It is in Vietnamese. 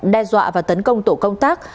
đe dọa và tấn công tổ công tác